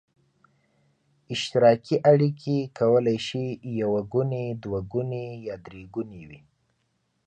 اشتراکي اړیکې کولای شي یو ګوني، دوه ګوني یا درې ګوني وي.